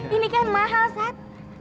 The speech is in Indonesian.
ini kan mahal sat